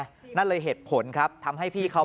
นั่นเลยเหตุผลครับทำให้พี่เขา